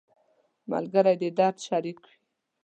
ملګری د درد شریک وي